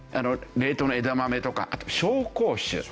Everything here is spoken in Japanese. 冷凍の枝豆とかあと紹興酒。